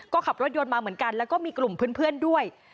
ก็ขับรถยนต์มาเหมือนกันแล้วก็มีกลุ่มเพื่อนด้วย